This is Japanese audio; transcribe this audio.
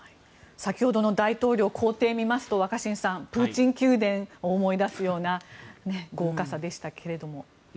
先ほどの大統領公邸を見ますと若新さんプーチン宮殿を思い出すような豪華さでしたけど。